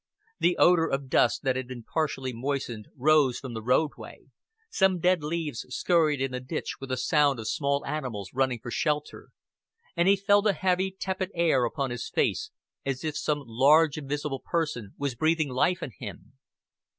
The odor of dust that has been partially moistened rose from the roadway; some dead leaves scurried in the ditch with a sound of small animals running for shelter; and he felt a heavy, tepid air upon his face, as if some large invisible person was breathing on him.